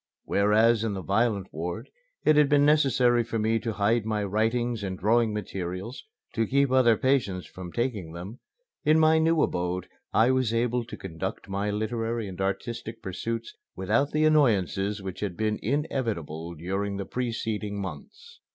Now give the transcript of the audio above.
Whereas in the violent ward it had been necessary for me to hide my writing and drawing materials to keep other patients from taking them, in my new abode I was able to conduct my literary and artistic pursuits without the annoyances which had been inevitable during the preceding months.